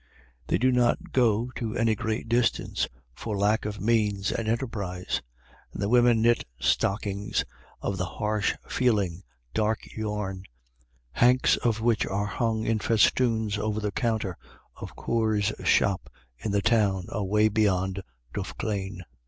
They do not go to any great distance, for lack of means and enterprise. And the women knit stockings of the harsh feeling, dark yarn, hanks of which are hung in festoons over the counter of Corr's shop in the Town away beyond Duffclane.